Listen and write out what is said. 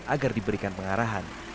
agar diberikan pengarahan